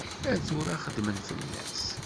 Ar tura xeddmen fell-as.